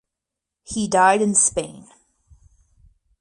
He died in Spain.